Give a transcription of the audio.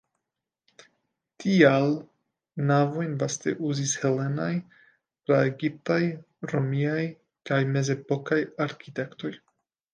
Tial navojn vaste uzis helenaj, pra-egiptaj, romiaj kaj mezepokaj arkitektoj.